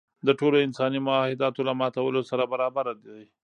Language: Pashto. د ټولو انساني معاهداتو له ماتولو سره برابر دی.